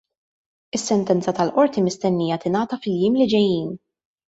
Is-sentenza tal-qorti mistennija tingħata fil-jiem li ġejjin.